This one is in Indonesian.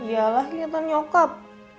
iyalah kenyataan nyokap